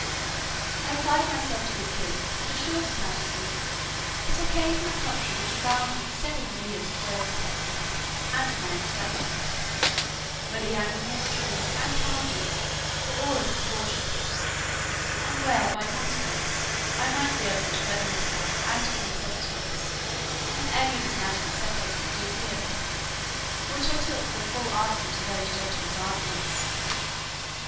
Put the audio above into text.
I applied myself to the king, and assured his majesty, "that I came from a country which abounded with several millions of both sexes, and of my own stature; where the animals, trees, and houses, were all in proportion, and where, by consequence, I might be as able to defend myself, and to find sustenance, as any of his majesty's subjects could do here; which I took for a full answer to those gentlemen's arguments."